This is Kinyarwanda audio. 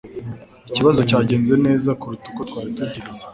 Ikibazo cyagenze neza kuruta uko twari tubyiteze.